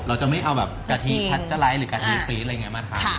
เราจะไม่เอากะทิพัดเจ้าไร้หรือกะทิพรีสอะไรอย่างนี้มาทำ